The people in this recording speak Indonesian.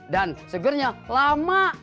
dan segernya lama